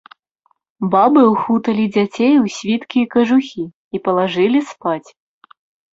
Бабы ўхуталі дзяцей у світкі і кажухі і палажылі спаць.